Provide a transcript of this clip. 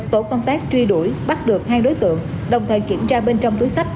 tổ công tác truy đuổi bắt được hai đối tượng đồng thời kiểm tra bên trong túi sách